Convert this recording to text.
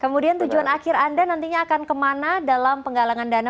kemudian tujuan akhir anda nantinya akan kemana dalam penggalangan dana